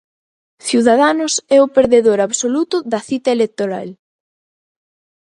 Ciudadanos é o perdedor absoluto da cita electoral.